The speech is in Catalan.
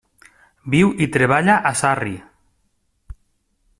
Viu i treballa a Surrey.